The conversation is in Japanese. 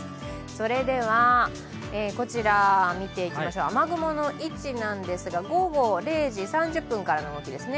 それではこちら見ていきましょう、雨雲の位置なんですが午後０時３０分からなわけですね。